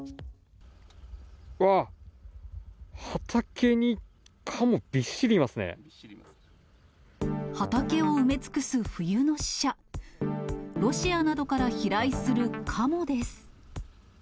わー、畑にカモ、畑を埋め尽くす冬の使者、ロシアなどから飛来するカモです。